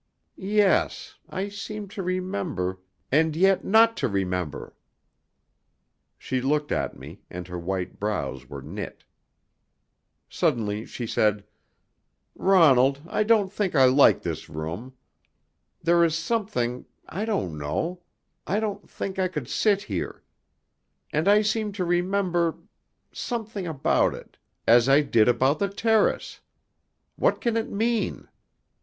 "Yes I seem to remember, and yet not to remember." She looked at me, and her white brows were knit. Suddenly she said: "Ronald, I don't think I like this room. There is something I don't know I don't think I could sit here; and I seem to remember something about it, as I did about the terrace. What can it mean?"